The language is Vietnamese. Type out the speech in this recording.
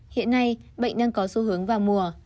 hiện nay bệnh đang có xu hướng vào mùa